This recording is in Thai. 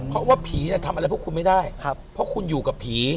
เพราะว่าผีเนี่ยทำอะไรพวกคุณไม่ได้เพราะคุณอยู่กับผี